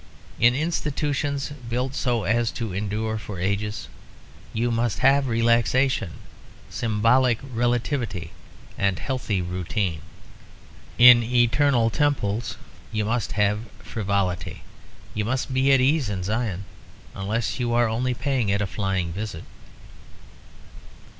In institutions built so as to endure for ages you must have relaxation, symbolic relativity and healthy routine. In eternal temples you must have frivolity. You must "be at ease in Zion" unless you are only paying it a flying visit.